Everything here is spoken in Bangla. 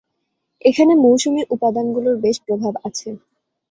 এখানে মৌসুমী উপাদানগুলোর বেশ প্রভাব আছে।